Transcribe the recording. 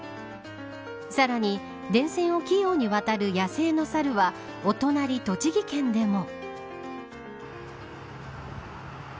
さらに電線を器用にわたる野生のサルはお隣栃木県でも。